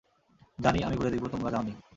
জানি, আমি ঘুড়ে দেখব তোমরা যাওনি।